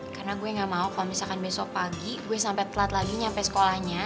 karena gue gak mau kalo misalkan besok pagi gue sampe telat lagi nyampe sekolahnya